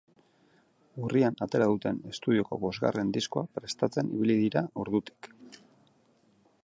Urrian atera duten estudioko bosgarren diskoa prestatzen ibili dira ordutik.